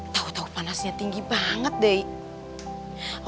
tahu tahu panasnya tinggi banget deh